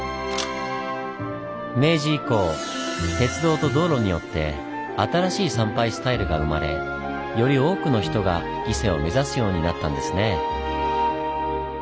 明治以降鉄道と道路によって新しい参拝スタイルが生まれより多くの人が伊勢を目指すようになったんですね。